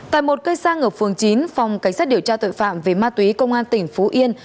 tại một cây xa ngược phường chín phòng cảnh sát điều tra tội phạm về ma túy công an tỉnh phú hiên